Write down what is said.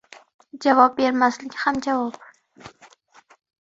• Javob bermaslik ham — javob.